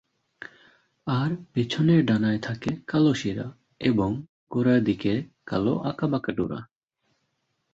আর পেছনের ডানায় থাকে কালো শিরা এবং গোড়ার দিকে কালো আঁকাবাঁকা ডোরা।